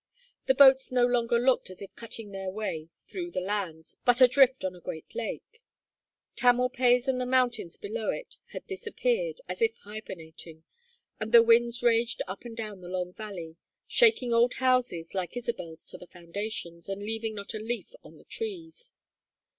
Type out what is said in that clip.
The boats no longer looked as if cutting their way through the lands, but adrift on a great lake. Tamalpais and the mountains below it had disappeared, as if hibernating, and the winds raged up and down the long valley, shaking old houses like Isabel's to their foundations, and leaving not a leaf on the trees.